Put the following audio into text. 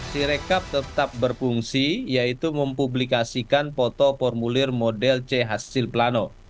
sirekap tetap berfungsi yaitu mempublikasikan foto formulir model c hasil plano